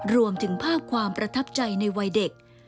รวมถึงภาพความประทับใจในวัยเด็ก